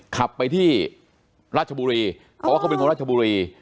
ขับไปที่ราชบุรีเพราะว่าเขาเป็นคนราชบุรี